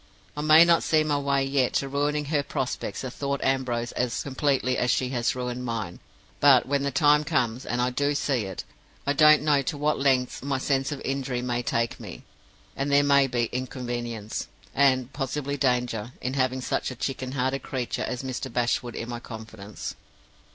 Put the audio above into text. I may not see my way yet to ruining her prospects at Thorpe Ambrose as completely as she has ruined mine. But when the time comes, and I do see it, I don't know to what lengths my sense of injury may take me; and there may be inconvenience, and possibly danger, in having such a chicken hearted creature as Mr. Bashwood in my confidence.